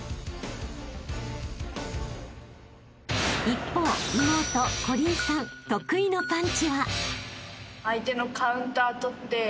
［一方妹縞鈴さん得意のパンチは］